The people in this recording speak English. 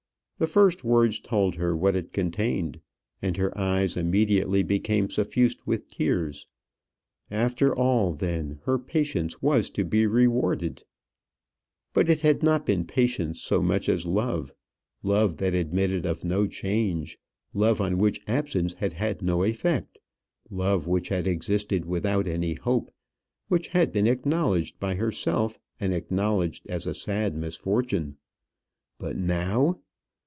The first words told her what it contained, and her eyes immediately became suffused with tears. After all, then, her patience was to be rewarded. But it had not been patience so much as love; love that admitted of no change; love on which absence had had no effect; love which had existed without any hope; which had been acknowledged by herself, and acknowledged as a sad misfortune. But now